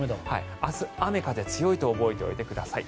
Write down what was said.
明日、雨風強いと覚えておいてください。